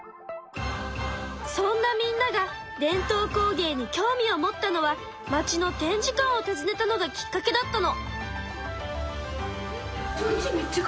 そんなみんなが伝統工芸に興味を持ったのは町の展示館をたずねたのがきっかけだったの。